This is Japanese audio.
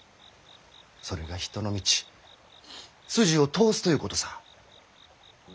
それが人の道筋を通すということさぁ。